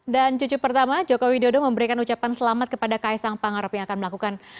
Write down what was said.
dan cucu pertama jokowi dodo memberikan ucapan selamat kepada kaisang pangarup yang akan melakukan